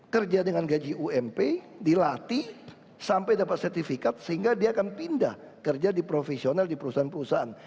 kerja dengan gaji ump dilatih sampai dapat sertifikat sehingga dia akan pindah kerja di profesional di perusahaan perusahaan